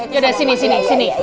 ya dari sini sini sini